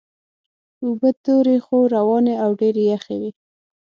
اوبه تورې خو روانې او ډېرې یخې وې.